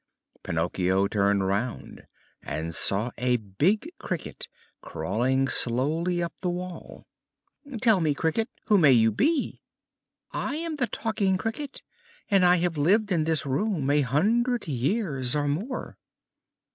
Pinocchio turned round and saw a big cricket crawling slowly up the wall. "Tell me, Cricket, who may you be?" "I am the Talking Cricket, and I have lived in this room a hundred years or more."